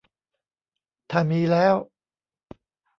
ถ้ามีแล้ว